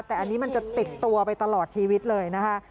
แต่อันนี้มันจะติดตัวไปตลอดชีวิตเลยนะคะ